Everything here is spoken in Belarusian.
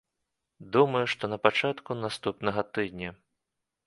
Думаю, што на пачатку наступнага тыдня.